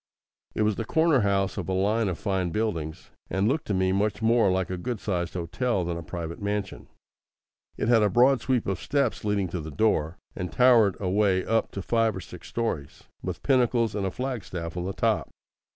It was the corner house of a line of fine buildings, and looked to me much more like a good sized hotel than a private mansion. It had a broad sweep of steps leading to the door, and towered away up to five or six stories, with pinnacles and a flagstaff on the top.